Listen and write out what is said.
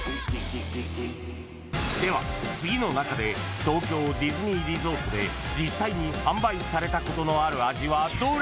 ［では次の中で東京ディズニーリゾートで実際に販売されたことのある味はどれ？］